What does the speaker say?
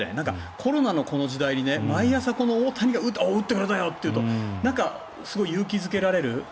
コロナの時に大谷が打ってくれたよっていうとなんか、勇気付けられる。